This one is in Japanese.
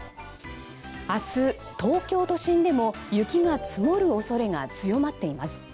明日、東京都心でも雪が積もる恐れが強まっています。